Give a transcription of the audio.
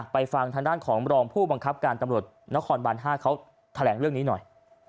ฟังทางด้านของรองผู้บังคับการตำรวจนครบาน๕เขาแถลงเรื่องนี้หน่อย